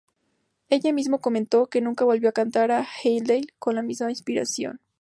Ella mismo comentó que nunca volvió a cantar a Haendel con la misma inspiración.